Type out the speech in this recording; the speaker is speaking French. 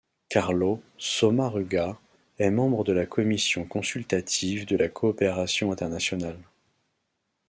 Carlo Sommaruga est membre de la Commission consultative de la coopération internationale.